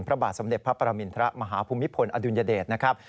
พระบาทสมเด็จพระปรมินทรมาฮภูมิพลอดุลยเดชนะครับ